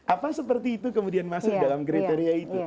apa seperti itu kemudian masuk dalam kriteria itu